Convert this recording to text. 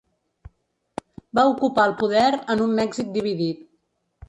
Va ocupar el poder en un Mèxic dividit.